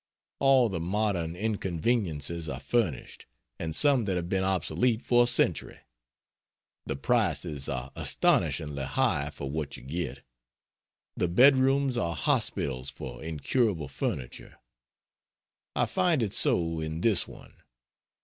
All the modern inconveniences are furnished, and some that have been obsolete for a century. The prices are astonishingly high for what you get. The bedrooms are hospitals for incurable furniture. I find it so in this one.